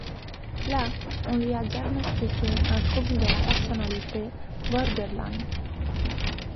Là, on lui a diagnostiqué un trouble de la personnalité borderline.